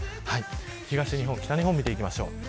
東日本北日本を見ていきましょう。